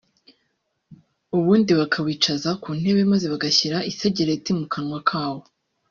ubundi bakawicaza ku ntebe maze bagashyira isegereti mukanwa kawo